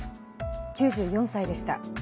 ９４歳でした。